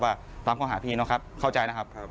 ตามข้อหาพี่เนาะครับเข้าใจนะครับ